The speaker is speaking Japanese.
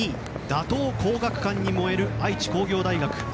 打倒・皇學館に燃える愛知工業大学。